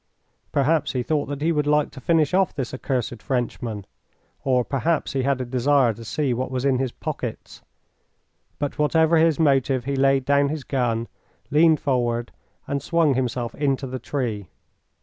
Perhaps he thought that he would like to finish of this accursed Frenchman, or perhaps he had a desire to see what was in his pockets; but whatever his motive, he laid down his gun, leaned forward, and swung himself into the tree.